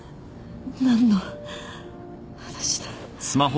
何の話だ。